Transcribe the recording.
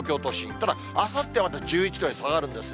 ただあさって、また１１度に下がるんですね。